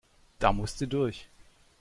Da musste durch.